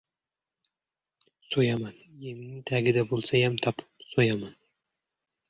So‘yaman! Yeming tagida bo‘lsayam topib, so‘yaman.